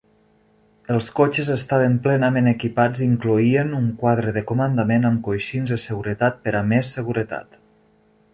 Els cotxes estaven plenament equipats i incloïen un quadre de comandament amb coixins de seguretat per a més seguretat.